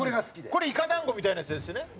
これイカ団子みたいなやつですよね。